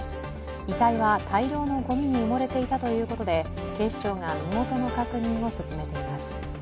遺体は大量のごみに埋もれていたということで、警視庁が身元の確認を進めています。